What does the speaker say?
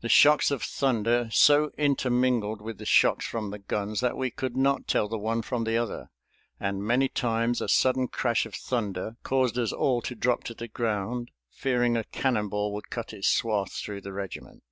The shocks of thunder so intermingled with the shocks from the guns that we could not tell the one from the other, and many times a sudden crash of thunder caused us all to drop to the ground, fearing a cannonball would cut its swath through the regiment.